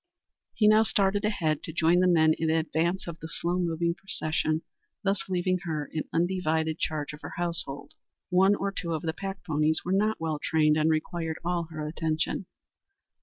He now started ahead to join the men in advance of the slow moving procession, thus leaving her in undivided charge of her household. One or two of the pack ponies were not well trained and required all her attention.